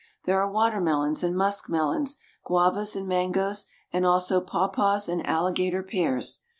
There are watermelons and muskmelons, guavas and mangoes, and also papaws and alligator pears.